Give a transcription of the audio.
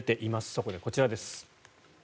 そこで、こちらです。